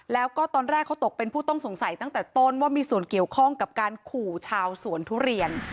แล้วก็ตอนแรกเขาตกเป็นผู้ต้องสงสัยตั้งแต่ต้นว่ามีส่วนเกี่ยวข้องกับการขู่ชาวสวนทุเรียน